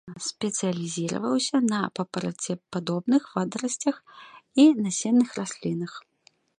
Спецыялізаваўся на папарацепадобных, водарасцях і насенных раслінах.